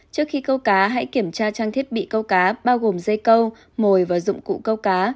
trước khi câu cá hãy kiểm tra trang thiết bị câu cá bao gồm dây câu mồi và dụng cụ câu cá